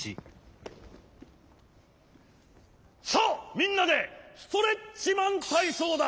さあみんなでストレッチマンたいそうだ！